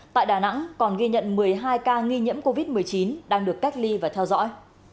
tại đà nẵng còn ghi nhận một mươi hai ca nghi nhiễm covid một mươi chín đang được cách ly và theo dõi